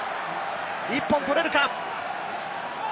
１本取れるか。